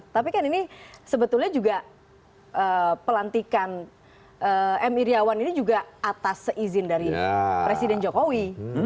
tapi kan ini sebetulnya juga pelantikan m iryawan ini juga atas seizin dari presiden jokowi